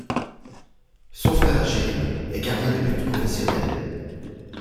Son frère, Jérémy, est gardien de but professionnel.